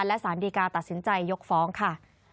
และสารดีกาตัดสินใจยกฟ้องค่ะ